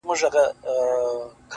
ترڅو له ماڅخه ته هېره سې-